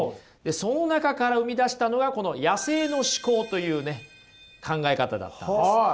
その中から生み出したのはこの野生の思考という考え方だったんです。